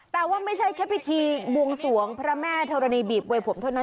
แต่ว่าไม่ใช่แค่พิธีบวงสวงพระแม่ธรณีบีบมวยผมเท่านั้น